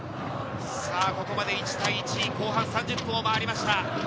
ここまで１対１、後半３０分を回りました。